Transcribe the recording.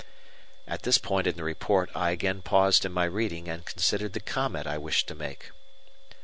At this point in the report, I again paused in my reading and considered the comment I wished to make.